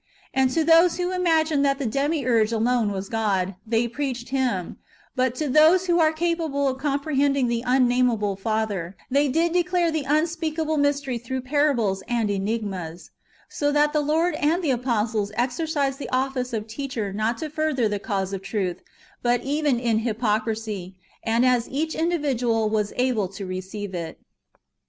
And to those who imagined that the Demiurge alone was God, they preached him ; but to those who are capable of comprehending the unnameable Father, they did declare the unspeakable mystery through parables and enigmas : so that the Lord and the apostles exercised the office of teacher not to further the cause of truth, but even in hypocrisy, and as each individual was able to receive it.